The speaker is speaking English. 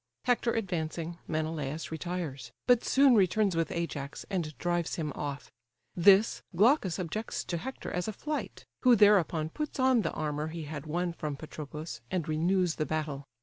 Hector advancing, Menelaus retires; but soon returns with Ajax, and drives him off. This, Glaucus objects to Hector as a flight, who thereupon puts on the armour he had won from Patroclus, and renews the battle.